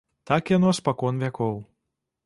Так яно спакон вякоў.